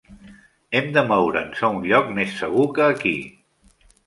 Hem de moure'ns a un lloc més segur que aquí.